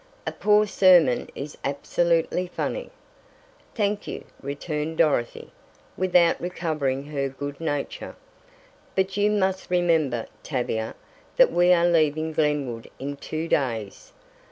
A poor sermon is absolutely funny." "Thank you," returned Dorothy, without recovering her good nature, "but you must remember, Tavia, that we are leaving Glenwood in two days."